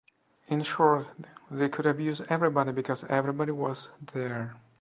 In short, they could abuse everybody, because everybody was there.